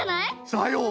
さよう！